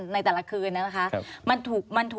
ควิทยาลัยเชียร์สวัสดีครับ